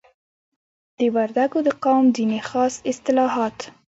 د وردګو د قوم ځینی خاص اصتلاحات